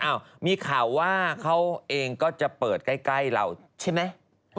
มีข่าวว่าเขาเองก็จะเปิดใกล้เราใช่ไหม